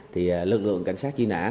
thì lực lượng cảnh sát truy nã